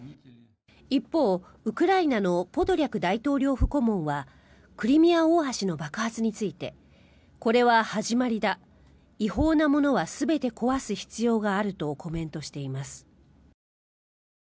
一方、ウクライナのポドリャク大統領府顧問はクリミア大橋の爆発についてこれは始まりだ違法なものは全て壊す必要があるとコメントしています。